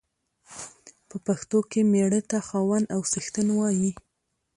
په پښتو کې مېړه ته خاوند او څښتن وايي.